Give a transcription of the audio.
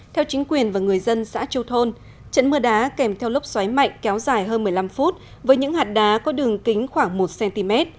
theo chính quyền và người dân xã châu thôn trận mưa đá kèm theo lốc xoáy mạnh kéo dài hơn một mươi năm phút với những hạt đá có đường kính khoảng một cm